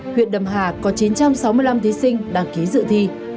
huyện đầm hà có chín trăm sáu mươi năm thí sinh đăng ký dự thi